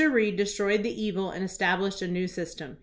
Reed destroyed the evil and established a new system.